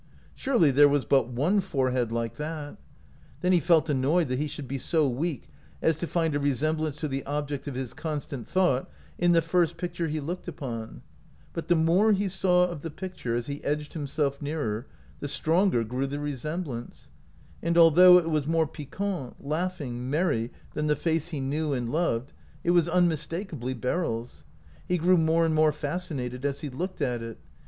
Surely there was but one forehead like that ! Then he felt annoyed that he should be so weak as to find a resemblance to the object of his constant thought in the first picture he looked upon ; but the more he saw of the pic ture, as he edged himself nearer, the stronger grew the resemblance, and although it was more piquant, laughing, merry than the face he knew and loved, it was unmistakably Beryl's. He grew more and more fascinated as he looked at it.